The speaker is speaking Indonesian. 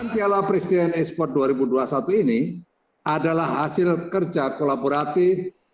piala presiden esports dua ribu dua puluh satu ini adalah hasil kerja kolaboratif